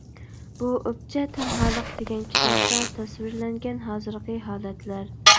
بۇ «ئوپچە تەنھالىق» دېگەن كىتابتا تەسۋىرلەنگەن ھازىرقى ھالەتلەر.